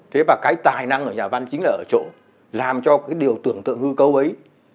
thế và cái tài năng ở nhà văn chính là ở chỗ làm cho cái điều tưởng tượng hư cấu ấy